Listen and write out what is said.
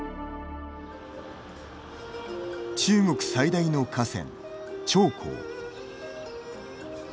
中国最大の河川、長江。